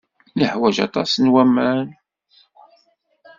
Neḥwaj aṭas n waman.